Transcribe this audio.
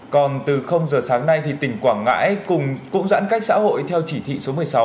còn từ giờ sáng nay thì tỉnh quảng ngãi cùng cũng giãn cách xã hội theo chỉ thị số một mươi sáu